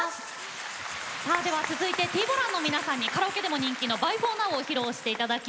では続いてＴ−ＢＯＬＡＮの皆さんにカラオケでも人気の「ＢｙｅＦｏｒＮｏｗ」披露して頂きます。